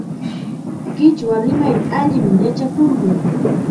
Qichwa rimayta allim yachakurqun.